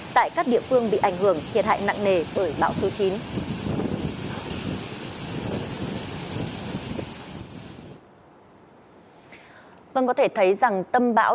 tại các địa phương bị ảnh hưởng thiệt hại nặng nề bởi bão số chín